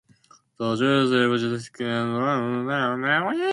The frescoes depict scenes from the Old Testament and the life of Christ.